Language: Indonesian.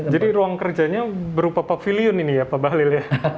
jadi ruang kerjanya berupa pavilion ini ya pak bahlil